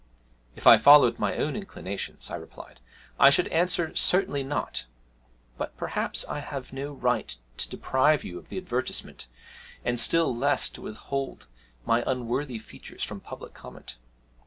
'If I followed my own inclinations,' I replied, 'I should answer "certainly not." But perhaps I have no right to deprive you of the advertisement, and still less to withhold my unworthy features from public comment.